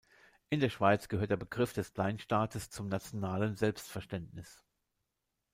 In der Schweiz gehört der Begriff des Kleinstaates zum nationalen Selbstverständnis.